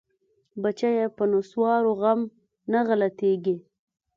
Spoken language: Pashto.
بچيه په نسوارو غم نه غلطيګي.